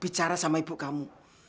bicara sama ibu kamu